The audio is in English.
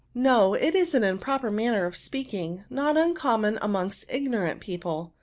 *''^ No ; it is an improper manner of speak ing, not uncommon amongst ignorant people.